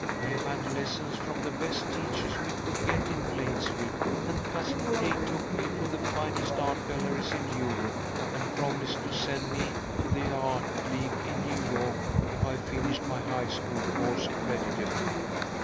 I have had lessons from the best teachers we could get in Plainsville, and Cousin Kate took me to the finest art galleries in Europe, and promised to send me to the Art League in New York if I finished my high school course creditably.